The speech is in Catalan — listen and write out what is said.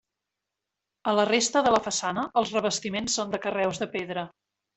A la resta de la façana els revestiments són de carreus de pedra.